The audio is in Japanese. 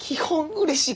うれしい！？